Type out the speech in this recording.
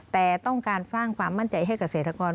แต่ต้องการสร้างความมั่นใจให้เกษตรกร